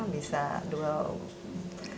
bisa dua nasionalisme